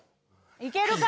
いけるか！